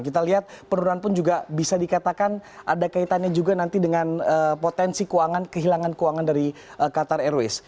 kita lihat penurunan pun juga bisa dikatakan ada kaitannya juga nanti dengan potensi kehilangan keuangan dari qatar airways